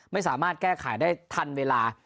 ไม่สามารถแก้ไขได้ทันเวลา